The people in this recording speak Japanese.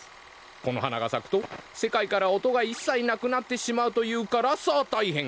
このはながさくとせかいから音がいっさいなくなってしまうというからさあたいへん！